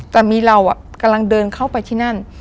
แต่มีเรากำลังเดินเข้าไปที่นั่น